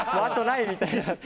後がないみたいな。